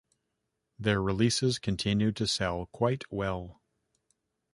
Their releases continued to sell quite well.